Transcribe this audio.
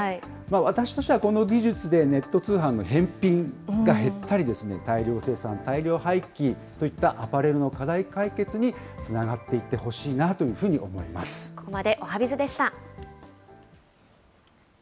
私としてはこの技術でネット通販の返品が減ったり、大量生産、大量廃棄といったアパレルの課題解決につながっていってほしいなとここまでおはＢｉｚでした。